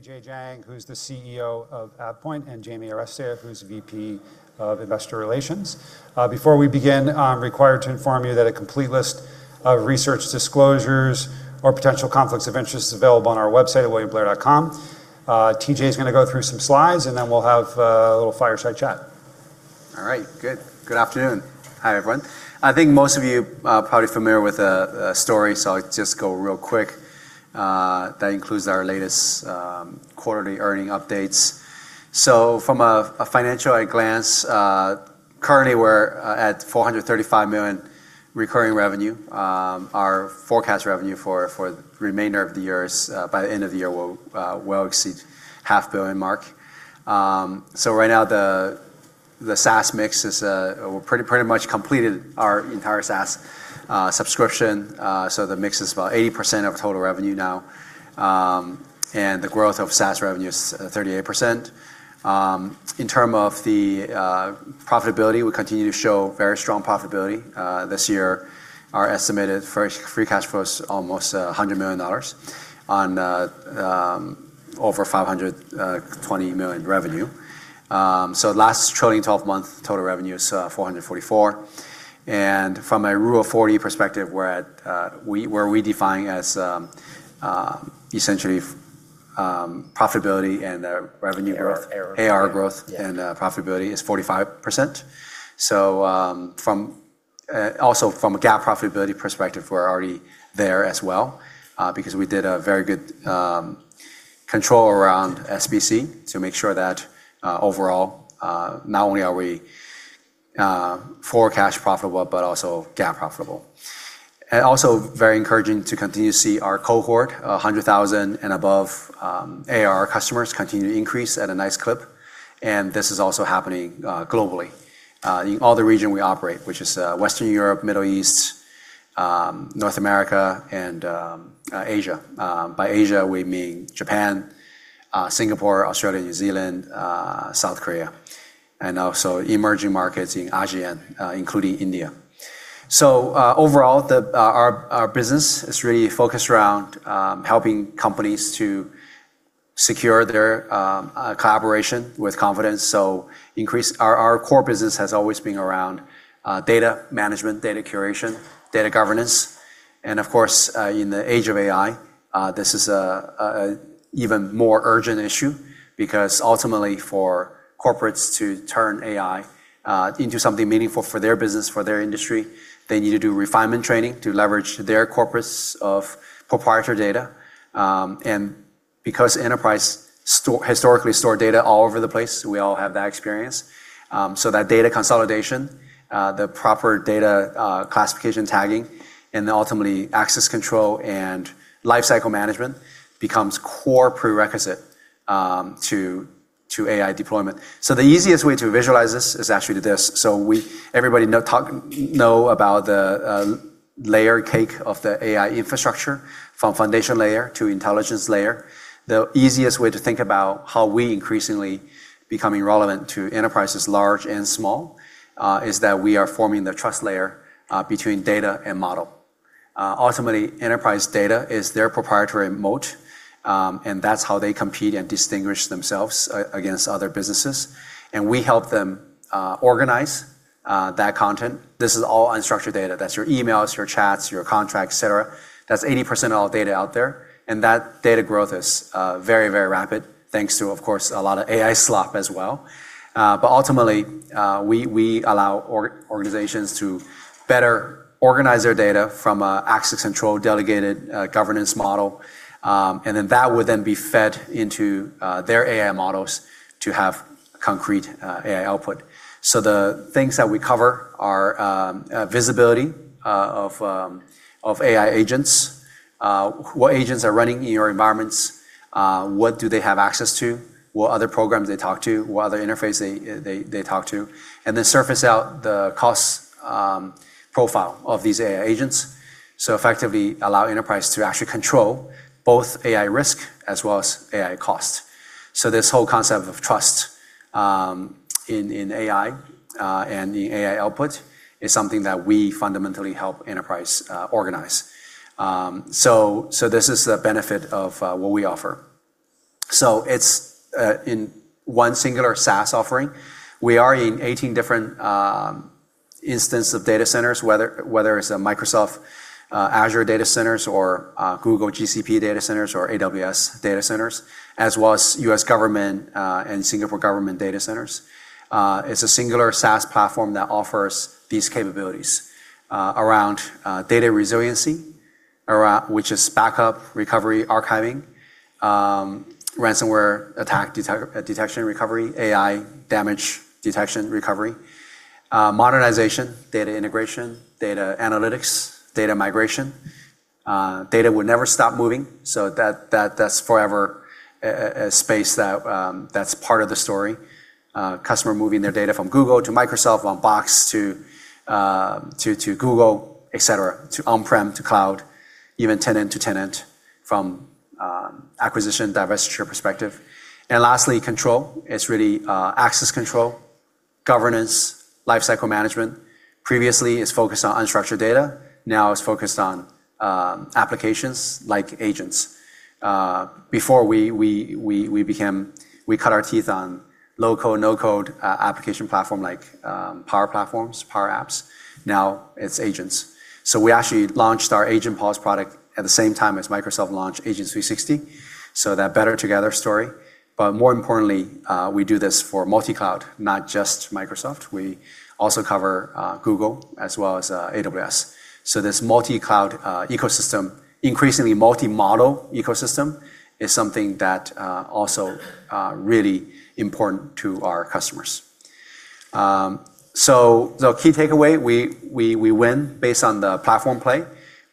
Tianyi Jiang, who's the CEO of AvePoint, and Jamie Arestia, who's VP of Investor Relations. Before we begin, I'm required to inform you that a complete list of research disclosures or potential conflicts of interest is available on our website at williamblair.com. Tianyi Jiang is going to go through some slides, and then we'll have a little fireside chat. All right. Good. Good afternoon. Hi, everyone. I think most of you are probably familiar with the story, so I'll just go real quick. That includes our latest quarterly earnings updates. From a financial at a glance, currently we're at $435 million recurring revenue. Our forecast revenue for the remainder of the year is, by the end of the year, will exceed half billion mark. Right now, the SaaS mix is, we're pretty much completed our entire SaaS subscription. The mix is about 80% of total revenue now. The growth of SaaS revenue is 38%. In terms of the profitability, we continue to show very strong profitability. This year, our estimated free cash flow is almost $100 million on over $520 million revenue. Last trailing 12-month, total revenue is $444 million. From a rule of 40 perspective, where we define as essentially profitability and revenue growth. AR. ARR growth and profitability is 45%. Also from a GAAP profitability perspective, we're already there as well, because we did a very good control around SBC to make sure that, overall, not only are we forward cash profitable, but also GAAP profitable. Also very encouraging to continue to see our cohort 100,000 and above AR customers continue to increase at a nice clip, and this is also happening globally. In all the region we operate, which is Western Europe, Middle East, North America, and Asia. By Asia, we mean Japan, Singapore, Australia, New Zealand, South Korea, and also emerging markets in ASEAN, including India. Overall, our business is really focused around helping companies to secure their collaboration with confidence. Our core business has always been around data management, data curation, data governance. Of course, in the age of AI, this is an even more urgent issue because ultimately, for corporates to turn AI into something meaningful for their business, for their industry, they need to do refinement training to leverage their corpus of proprietary data. Because enterprise historically stored data all over the place, we all have that experience. That data consolidation, the proper data classification tagging, and then ultimately access control and lifecycle management becomes core prerequisite to AI deployment. The easiest way to visualize this is actually this. Everybody know about the layer cake of the AI infrastructure from foundation layer to intelligence layer. The easiest way to think about how we increasingly becoming relevant to enterprises large and small, is that we are forming the trust layer between data and model. Ultimately, enterprise data is their proprietary moat, and that's how they compete and distinguish themselves against other businesses. We help them organize that content. This is all unstructured data. That's your emails, your chats, your contracts, et cetera. That's 80% of all data out there. That data growth is very, very rapid thanks to, of course, a lot of AI slop as well. Ultimately, we allow organizations to better organize their data from an access control delegated governance model. That would then be fed into their AI models to have concrete AI output. The things that we cover are visibility of AI agents, what agents are running in your environments, what do they have access to, what other programs they talk to, what other interface they talk to, and then surface out the cost profile of these AI agents. Effectively allow enterprise to actually control both AI risk as well as AI cost. This whole concept of trust in AI, and the AI output is something that we fundamentally help enterprise organize. This is the benefit of what we offer. It's in one singular SaaS offering. We are in 18 different instances of data centers, whether it's a Microsoft Azure data centers or Google GCP data centers or AWS data centers, as well as U.S. government, and Singapore government data centers. It's a singular SaaS platform that offers these capabilities around data resiliency, which is backup, recovery, archiving, ransomware attack detection, recovery, AI damage detection, recovery, modernization, data integration, data analytics, data migration. Data would never stop moving. That's forever a space that's part of the story. Customer moving their data from Google to Microsoft, from Box to Google, et cetera, to on-premises to cloud, even tenant to tenant from acquisition divestiture perspective. Lastly, control. It's really access control, governance, lifecycle management. Previously, it's focused on unstructured data. Now, it's focused on applications like agents. Before, we cut our teeth on low-code, no-code application platform like Power Platform, Power Apps. Now, it's agents. We actually launched our Agent PaaS product at the same time as Microsoft launched Microsoft Agent 365, that better together story. More importantly, we do this for multi-cloud, not just Microsoft. We also cover Google as well as AWS. This multi-cloud ecosystem, increasingly multi-model ecosystem, is something that also really important to our customers. The key takeaway, we win based on the platform play.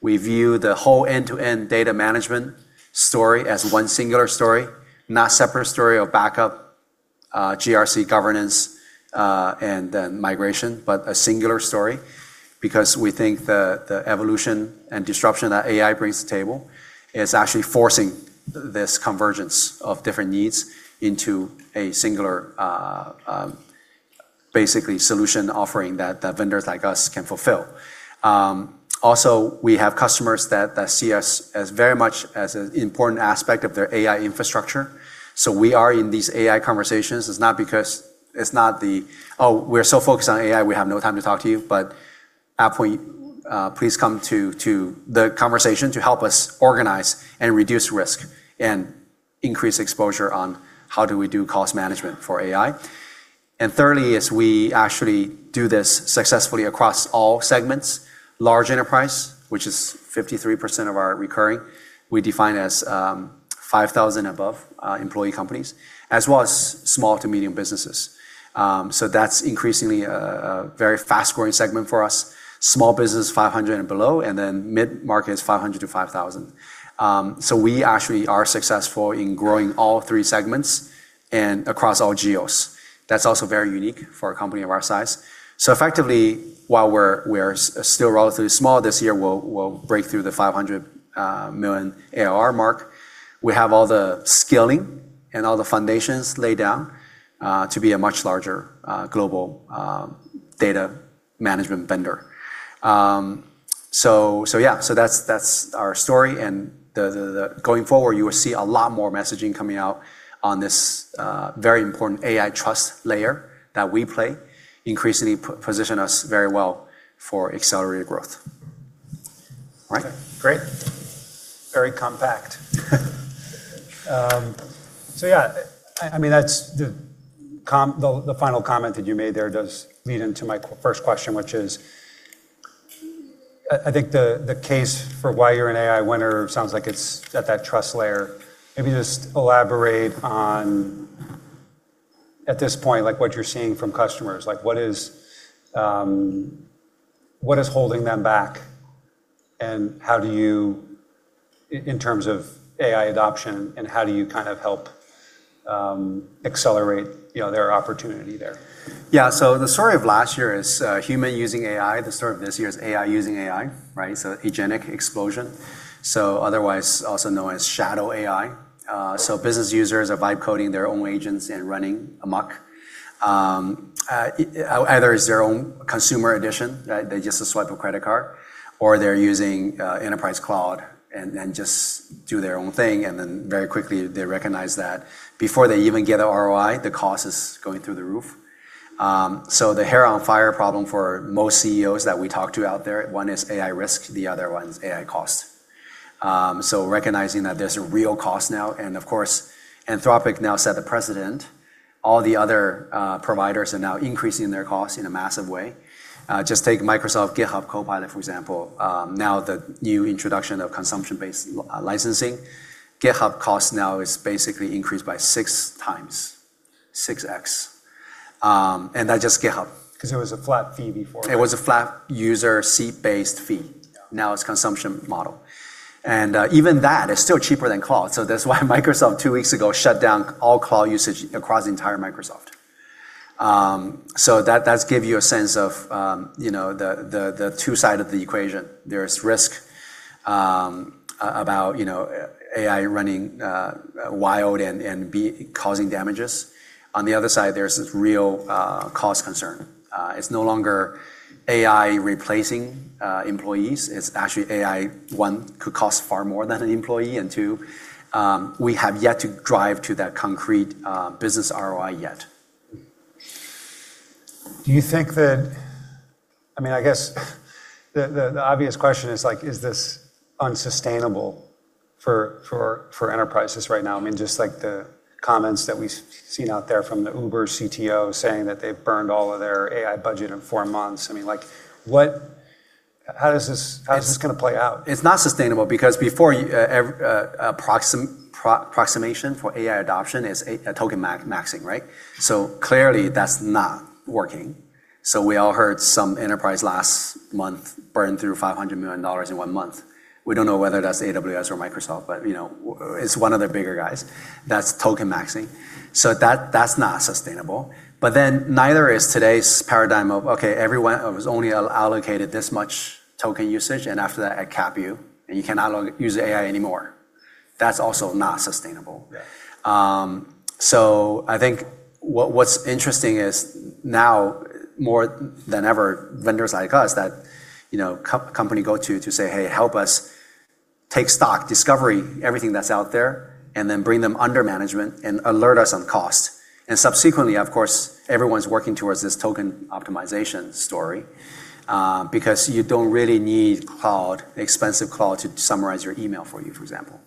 We view the whole end-to-end data management story as one singular story, not separate story of backup, GRC governance, and then migration, but a singular story because we think the evolution and disruption that AI brings to the table is actually forcing this convergence of different needs into a singular, basically solution offering that vendors like us can fulfill. Also, we have customers that see us as very much as an important aspect of their AI infrastructure. We are in these AI conversations. It's not the, "Oh, we're so focused on AI, we have no time to talk to you," but "AvePoint, please come to the conversation to help us organize and reduce risk and increase exposure on how do we do cost management for AI." Thirdly is we actually do this successfully across all segments, large enterprise, which is 53% of our recurring, we define as 5,000 above employee companies, as well as small to medium businesses. That's increasingly a very fast-growing segment for us. Small business, 500 and below, and then mid-market is 500-5,000. We actually are successful in growing all three segments and across all geos. That's also very unique for a company of our size. Effectively, while we're still relatively small, this year we'll break through the $500 million ARR mark. We have all the scaling and all the foundations laid down to be a much larger global data management vendor. Yeah. That's our story and going forward, you will see a lot more messaging coming out on this very important AI trust layer that we play, increasingly position us very well for accelerated growth. Right. Okay, great. Very compact. Yeah. The final comment that you made there does lead into my first question, which is, I think the case for why you're an AI winner sounds like it's at that trust layer. Maybe just elaborate on, at this point, what you're seeing from customers. What is holding them back in terms of AI adoption, and how do you kind of help accelerate their opportunity there? Yeah. The story of last year is human using AI. The story of this year is AI using AI, right? Agentic explosion. Otherwise, also known as shadow AI. Business users are vibe coding their own agents and running amok. Either it's their own consumer edition, they just swipe a credit card, or they're using enterprise cloud and just do their own thing, and then very quickly they recognize that before they even get a ROI, the cost is going through the roof. The hair on fire problem for most CEOs that we talk to out there, one is AI risk, the other one's AI cost. Recognizing that there's a real cost now, and of course, Anthropic now set the precedent. All the other providers are now increasing their costs in a massive way. Just take Microsoft GitHub Copilot, for example. Now, the new introduction of consumption-based licensing, GitHub cost now is basically increased by 6x, 6x. That's just GitHub. It was a flat fee before. It was a flat user seat-based fee. Yeah. Now it's consumption model. Even that is still cheaper than cloud. That's why Microsoft, two weeks ago, shut down all cloud usage across the entire Microsoft. That gives you a sense of the two side of the equation. There is risk about AI running wild and B, causing damages. On the other side, there's this real cost concern. It's no longer AI replacing employees. It's actually AI, one, could cost far more than an employee, and two, we have yet to drive to that concrete business ROI yet. Do you think, I guess the obvious question is this unsustainable for enterprises right now? Just the comments that we've seen out there from the Uber CTO saying that they've burned all of their AI budget in four months. How is this going to play out? It's not sustainable because before, approximation for AI adoption is tokenmaxxing, right? Clearly, that's not working. We all heard some enterprise last month burned through $500 million in one month. We don't know whether that's AWS or Microsoft, but it's one of the bigger guys. That's tokenmaxxing. That's not sustainable. Neither is today's paradigm of, okay, everyone was only allocated this much token usage, and after that, I cap you, and you cannot use the AI anymore. That's also not sustainable. Yeah. I think what's interesting is now more than ever, vendors like us that company go to to say, "Hey, help us take stock, discovery, everything that's out there, and then bring them under management and alert us on cost." Subsequently, of course, everyone's working towards this token optimization story, because you don't really need expensive cloud to summarize your email for you, for example.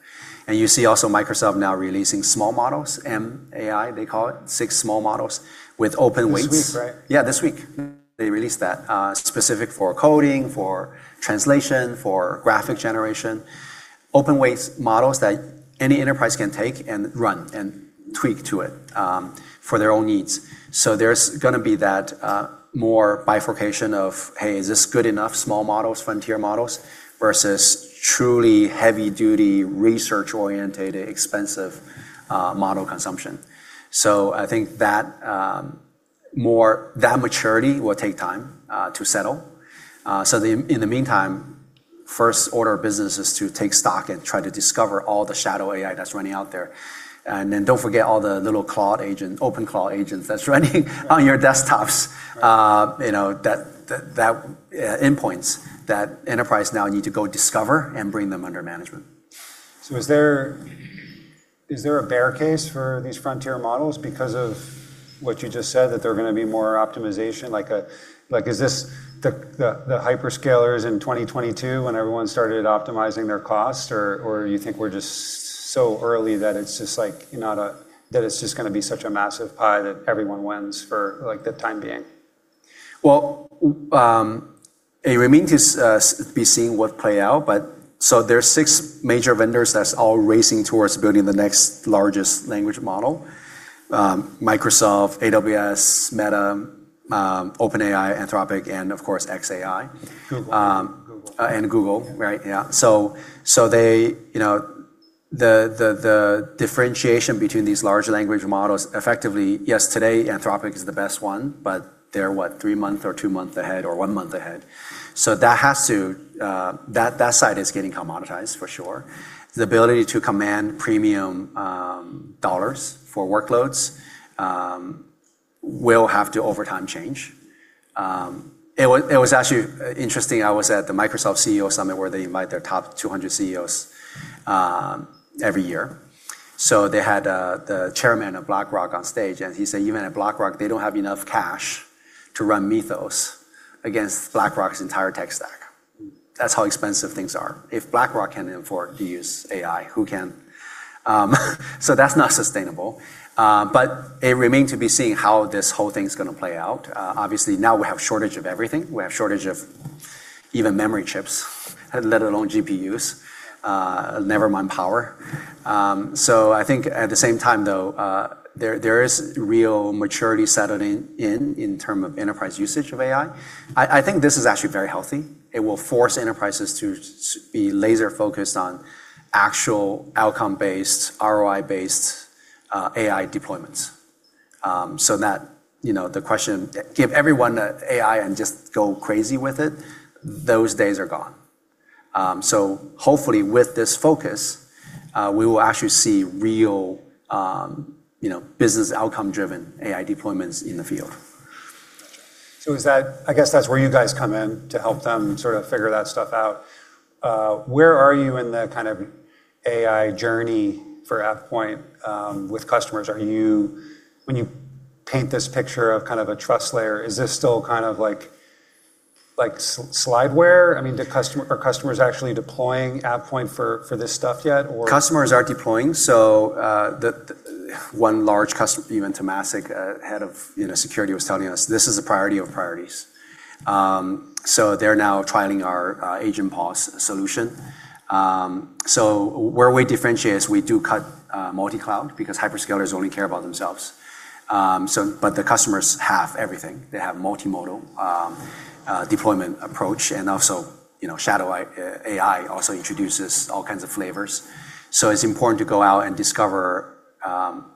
You see also Microsoft now releasing small models, MAI, they call it, six small models with open weights. This week, right? Yeah, this week. They released that, specific for coding, for translation, for graphic generation. open weights models that any enterprise can take and run and tweak to it, for their own needs. There's going to be that more bifurcation of, hey, is this good enough, small models, frontier models, versus truly heavy-duty, research-orientated, expensive model consumption. I think that maturity will take time to settle. In the meantime, first order of business is to take stock and try to discover all the shadow AI that's running out there. Then don't forget all the little OpenClaw agents that's running on your desktops. Right. That endpoints that enterprise now need to go discover and bring them under management. Is there a bear case for these frontier models because of what you just said, that there are going to be more optimization? Is this the hyperscalers in 2022 when everyone started optimizing their cost, or you think we're just so early that it's just going to be such a massive pie that everyone wins for the time being? Well, it remains to be seen what play out. There's six major vendors that's all racing towards building the next largest language model: Microsoft, AWS, Meta, OpenAI, Anthropic, and of course, xAI. Google. Google. Yeah. Right. Yeah. The differentiation between these large language models, effectively, yes, today, Anthropic is the best one, but they're what, three months or two months ahead or one month ahead. That side is getting commoditized, for sure. The ability to command premium dollars for workloads will have to, over time, change. It was actually interesting. I was at the Microsoft CEO Summit where they invite their top 200 CEOs every year. They had the chairman of BlackRock on stage, and he said even at BlackRock, they don't have enough cash to run Mythos against BlackRock's entire tech stack. That's how expensive things are. If BlackRock can't afford to use AI, who can? That's not sustainable. It remains to be seen how this whole thing's going to play out. Obviously, now we have shortage of everything. We have shortage of even memory chips, let alone GPUs. Never mind power. I think at the same time, though, there is real maturity settling in in terms of enterprise usage of AI. I think this is actually very healthy. It will force enterprises to be laser-focused on actual outcome-based, ROI-based AI deployments. That the question, give everyone AI and just go crazy with it, those days are gone. Hopefully, with this focus, we will actually see real business outcome-driven AI deployments in the field. I guess that's where you guys come in to help them figure that stuff out. Where are you in the AI journey for AvePoint with customers? When you paint this picture of a trust layer, is this still like slide wear? Are customers actually deploying AvePoint for this stuff yet? Customers are deploying. One large customer, even Temasek, Head of Security, was telling us this is a priority of priorities. They're now trialing our AvePoint AgentPulse solution. Where we differentiate is we do cut multi-cloud because hyperscalers only care about themselves. The customers have everything. They have multimodal deployment approach and also shadow AI also introduces all kinds of flavors. It's important to go out and discover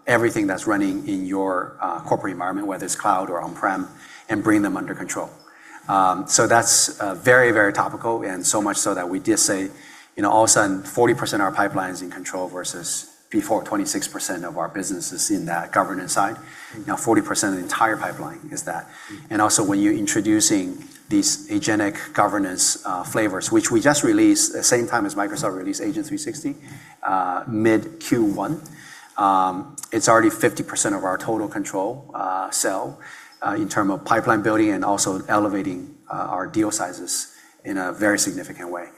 everything that's running in your corporate environment, whether it's cloud or on-prem, and bring them under control. That's very topical and so much so that we did say, all of a sudden, 40% of our pipeline is in control versus before 26% of our business is in that governance side. Now 40% of the entire pipeline is that. Also when you're introducing these agentic governance flavors, which we just released the same time as Microsoft released Agent 360, mid Q1. It's already 50% of our total control sell, in term of pipeline building and also elevating our deal sizes in a very significant way.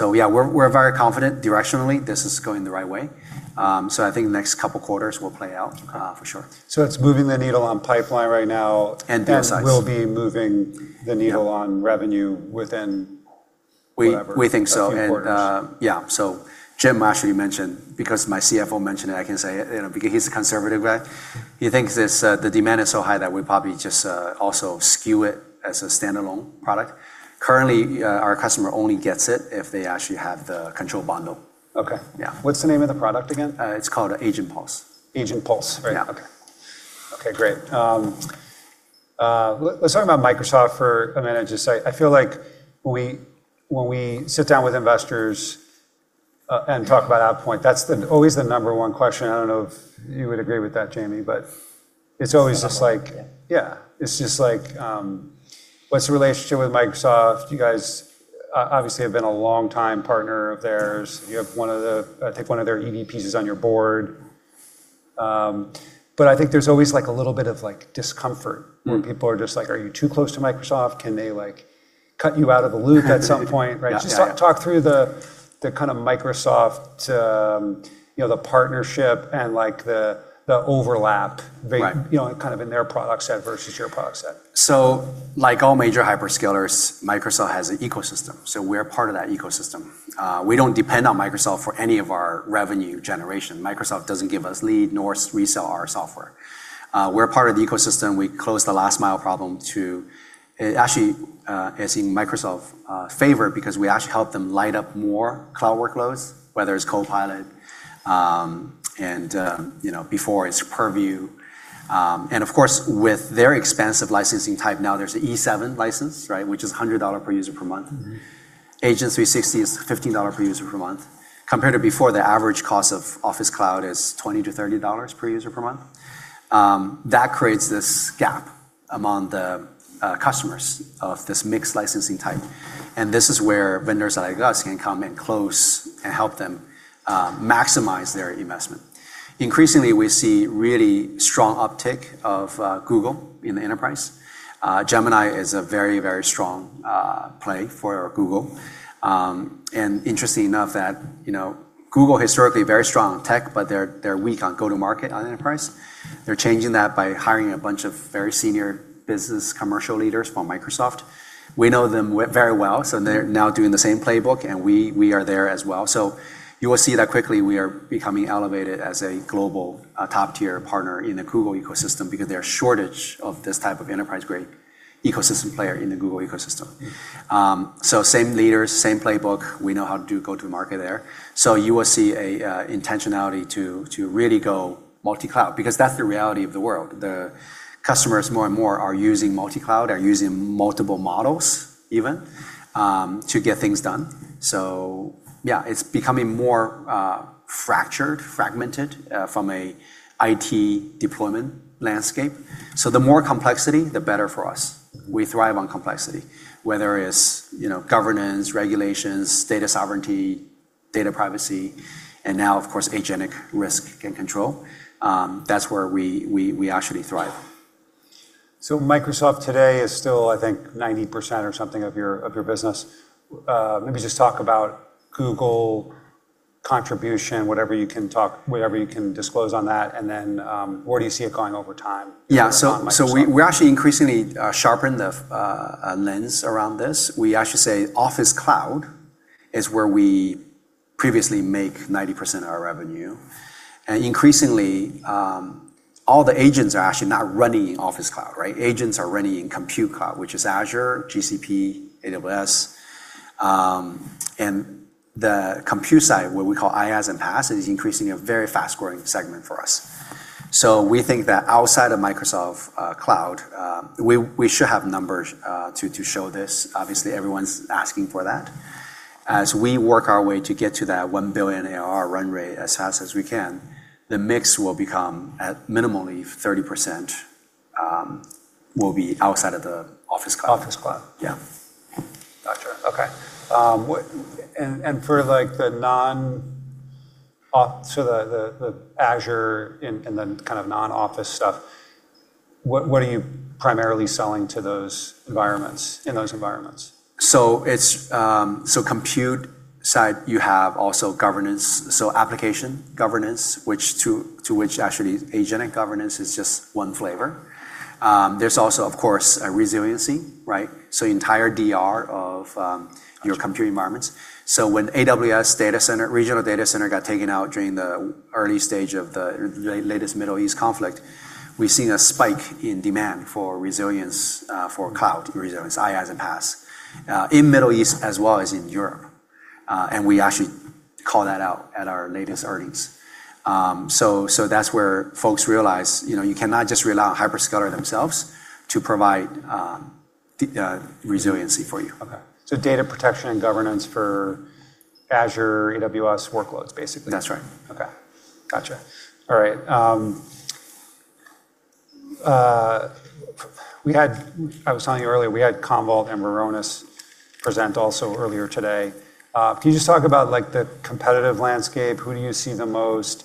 Yeah, we're very confident directionally this is going the right way. I think the next couple quarters will play out. Okay For sure. It's moving the needle on pipeline right now. Deal size. Will be moving the needle on revenue within whatever. We think so. A few quarters. Yeah. Jim actually mentioned, because my CFO mentioned it, I can say it, because he's a conservative guy. He thinks the demand is so high that we probably just also skew it as a standalone product. Currently, our customer only gets it if they actually have the control bundle. Okay. Yeah. What's the name of the product again? It's called AvePoint AgentPulse. AvePoint AgentPulse. Yeah. Right. Okay, okay, great. Let's talk about Microsoft for a minute. I feel like when we sit down with investors and talk about AvePoint, that's always the number one question. I don't know if you would agree with that, Jamie, but it's always just like. Yeah. Yeah. It's just like, what's the relationship with Microsoft? You guys obviously have been a long time partner of theirs. You have, I think, one of their EVPs is on your board. I think there's always a little bit of discomfort- Where people are just like, "Are you too close to Microsoft? Can they cut you out of the loop at some point?" Right. Yeah. Just talk through the kind of Microsoft partnership and the overlap. Right in their product set versus your product set. Like all major hyperscalers, Microsoft has an ecosystem, we're part of that ecosystem. We don't depend on Microsoft for any of our revenue generation. Microsoft doesn't give us leads, nor resell our software. We're a part of the ecosystem. We close the last mile problem, too. Actually, it's in Microsoft favor because we actually help them light up more cloud workloads, whether it's Copilot, and before it's Purview. Of course, with their expansive licensing type, now there's an E7 license, which is $100 per user per month. Microsoft Agent 365 is $15 per user per month. Compared to before, the average cost of Microsoft 365 is $20-$30 per user per month. That creates this gap among the customers of this mixed licensing type, this is where vendors like us can come in close and help them maximize their investment. Increasingly, we see really strong uptick of Google in the enterprise. Gemini is a very strong play for Google. Interesting enough that Google historically very strong on tech, but they're weak on go-to-market on enterprise. They're changing that by hiring a bunch of very senior business commercial leaders from Microsoft. We know them very well. They're now doing the same playbook, and we are there as well. You will see that quickly we are becoming elevated as a global top-tier partner in the Google ecosystem because there is a shortage of this type of enterprise-grade ecosystem player in the Google ecosystem. Same leaders, same playbook. We know how to go-to-market there. You will see an intentionality to really go multi-cloud because that's the reality of the world. The customers more and more are using multi-cloud, are using multiple models even, to get things done. It's becoming more fractured, fragmented, from an IT deployment landscape. The more complexity, the better for us. We thrive on complexity, whether it is governance, regulations, data sovereignty, data privacy, and now, of course, agentic risk and control. That's where we actually thrive. Microsoft today is still, I think, 90% or something of your business. Maybe just talk about Google contribution, whatever you can disclose on that, and then where do you see it going over time? Yeah. Compared to Microsoft? We actually increasingly sharpen the lens around this. We actually say Microsoft 365 is where we previously make 90% of our revenue. Increasingly, all the agents are actually not running in Microsoft 365, right? Agents are running in compute cloud, which is Azure, GCP, AWS. The compute side, what we call IaaS and PaaS, is increasing at a very fast-growing segment for us. We think that outside of Microsoft cloud, we should have numbers to show this. Obviously, everyone's asking for that. As we work our way to get to that $1 billion ARR run rate as fast as we can, the mix will become at minimally 30% will be outside of the Microsoft 365. Microsoft 365. Yeah. Got you. Okay. For the Azure and the kind of non-Office stuff, what are you primarily selling to those environments, in those environments? Compute side, you have also governance. Application governance, to which actually agentic governance is just one flavor. There's also, of course, resiliency, right? Understood. Your compute environments. When AWS regional data center got taken out during the early stage of the latest Middle East conflict, we've seen a spike in demand for resilience for cloud, resilience IaaS and PaaS, in Middle East as well as in Europe. We actually call that out at our latest earnings. That's where folks realize you cannot just rely on hyperscaler themselves to provide resiliency for you. Okay. Data protection and governance for Azure, AWS workloads, basically. That's right. Got you. I was telling you earlier, we had Commvault and Varonis present also earlier today. Can you just talk about the competitive landscape? Who do you see the most?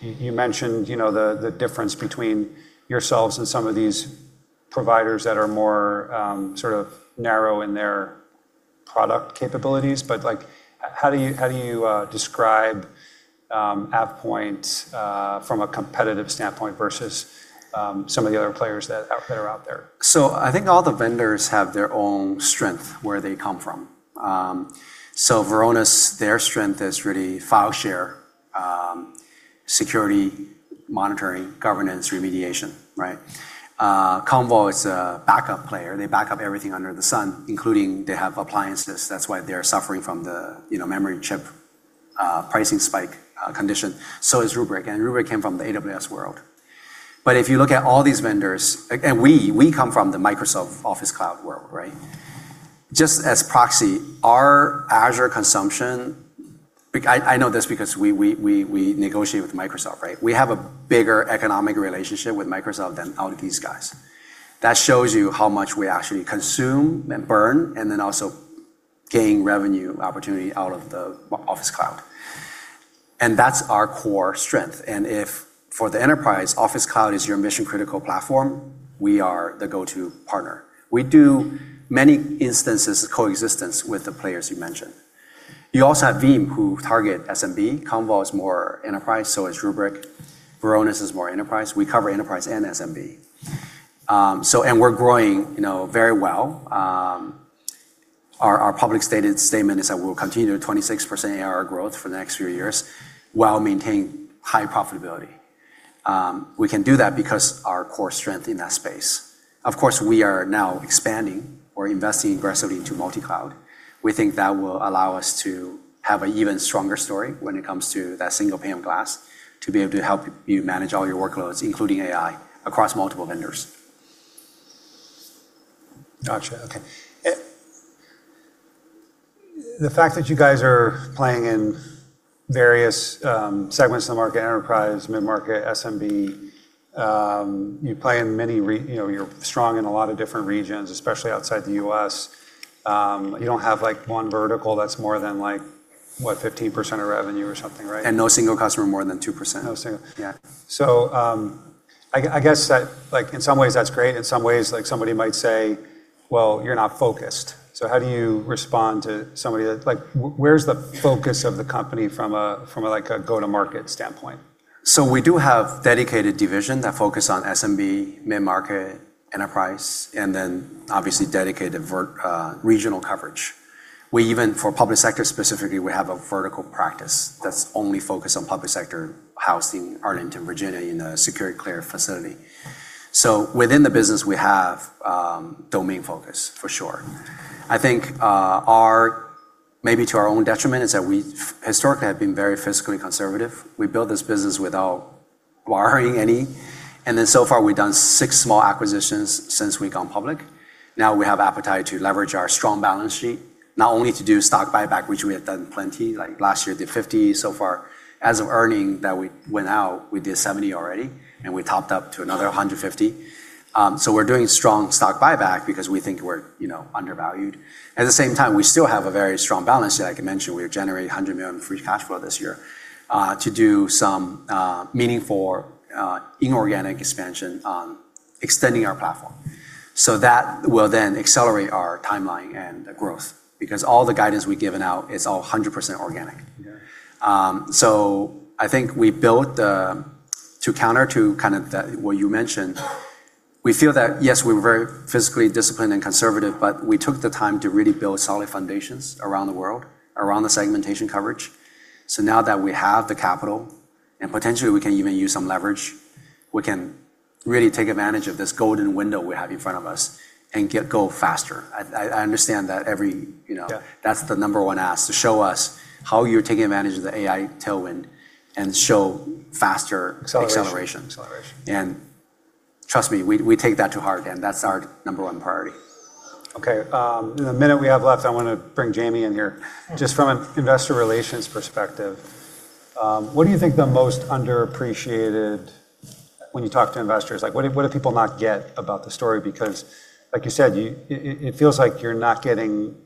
You mentioned the difference between yourselves and some of these providers that are more sort of narrow in their product capabilities. How do you describe AvePoint from a competitive standpoint versus some of the other players that are out there? I think all the vendors have their own strength, where they come from. Varonis, their strength is really file share, security, monitoring, governance, remediation. Right? Commvault is a backup player. They back up everything under the sun, including they have appliances. That's why they're suffering from the memory chip pricing spike condition. So is Rubrik, and Rubrik came from the AWS world. If you look at all these vendors, and we come from the Microsoft Microsoft 365 world, right? Just as proxy, our Azure consumption, I know this because we negotiate with Microsoft, right? We have a bigger economic relationship with Microsoft than all of these guys. That shows you how much we actually consume and burn, and then also gain revenue opportunity out of the Microsoft 365. That's our core strength. If for the enterprise, Microsoft 365 is your mission-critical platform, we are the go-to partner. We do many instances of coexistence with the players you mentioned. You also have Veeam, who target SMB. Commvault is more enterprise, so is Rubrik. Varonis is more enterprise. We cover enterprise and SMB. We're growing very well. Our public statement is that we'll continue at 26% ARR growth for the next few years while maintaining high profitability. We can do that because our core strength in that space. Of course, we are now expanding or investing aggressively into multi-cloud. We think that will allow us to have an even stronger story when it comes to that single pane of glass to be able to help you manage all your workloads, including AI, across multiple vendors. Got you. Okay. The fact that you guys are playing in various segments of the market, enterprise, mid-market, SMB, you're strong in a lot of different regions, especially outside the U.S. You don't have one vertical that's more than like, what, 15% of revenue or something, right? No single customer more than 2%. No single. Yeah. I guess that in some ways that's great. In some ways, somebody might say, "Well, you're not focused." How do you respond to somebody that, where's the focus of the company from a go-to-market standpoint? We do have dedicated divisions that focus on SMB, mid-market, enterprise, and then obviously dedicated regional coverage. We even, for public sector specifically, we have a vertical practice that's only focused on public sector housing, Arlington, Virginia, in a security cleared facility. Within the business, we have domain focus, for sure. I think maybe to our own detriment is that we historically have been very fiscally conservative. We built this business without acquiring any, and then so far, we've done six small acquisitions since we've gone public. Now we have appetite to leverage our strong balance sheet, not only to do stock buyback, which we have done plenty, like last year did $50. Far as of earning that we went out, we did $70 already, and we topped up to another $150. We're doing strong stock buyback because we think we're undervalued. At the same time, we still have a very strong balance sheet. Like I mentioned, we generate $100 million free cash flow this year, to do some meaningful inorganic expansion on extending our platform. That will then accelerate our timeline and growth because all the guidance we've given out is all 100% organic. Yeah. I think we built to counter to what you mentioned. We feel that, yes, we're very fiscally disciplined and conservative, but we took the time to really build solid foundations around the world, around the segmentation coverage. Now that we have the capital, and potentially we can even use some leverage, we can really take advantage of this golden window we have in front of us and go faster. Yeah. That's the number one ask, to show us how you're taking advantage of the AI tailwind and show faster. Acceleration. acceleration. Acceleration. Trust me, we take that to heart, and that's our number one priority. Okay. In the minute we have left, I want to bring Jamie in here. Just from an investor relations perspective, what do you think the most underappreciated when you talk to investors, like what do people not get about the story? Like you said, it feels like you're not getting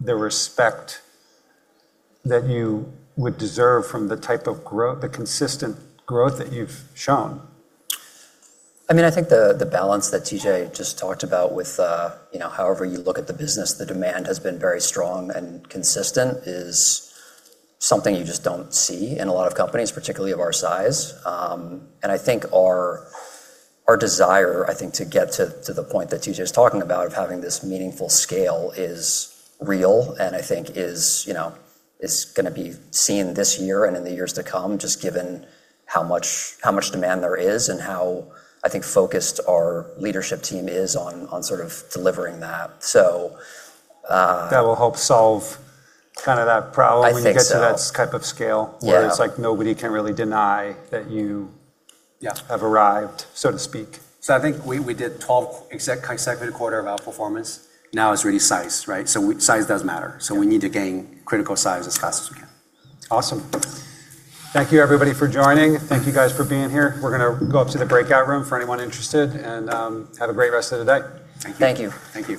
the respect that you would deserve from the type of growth, the consistent growth that you've shown. I think the balance that Tianyi Jiang just talked about with however you look at the business, the demand has been very strong and consistent, is something you just don't see in a lot of companies, particularly of our size. I think our desire, I think, to get to the point that Tianyi Jiang was talking about, of having this meaningful scale is real, and I think is going to be seen this year and in the years to come, just given how much demand there is and how, I think, focused our leadership team is on sort of delivering that. That will help solve kind of that problem. I think so. When you get to that type of scale. Yeah. Where it's like nobody can really deny that. Yeah. Have arrived, so to speak. I think we did 12 consecutive quarters of outperformance. Now it's really size, right? Size does matter. We need to gain critical size as fast as we can. Awesome. Thank you everybody for joining. Thank you guys for being here. We're going to go up to the breakout room for anyone interested, and have a great rest of the day. Thank you. Thank you.